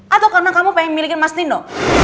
atau karena kamu pengen milikin mas nino